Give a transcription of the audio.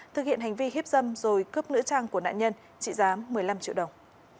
thực hiện hành vi hiếp dâm rồi cướp nữ trang của nạn nhân trị giá một mươi năm triệu đồng